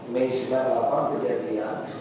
mei sembilan puluh delapan kejadian